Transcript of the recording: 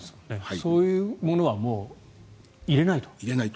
そういうものは入れないと。